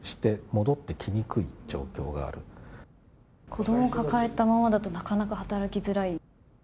子供を抱えたままだとなかなか働きづらい？